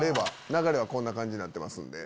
流れはこんな感じになってますんで。